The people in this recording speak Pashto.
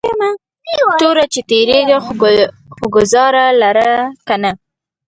توره چې تیرېږي خو گزار لره کنه